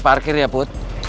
saya parkir ya put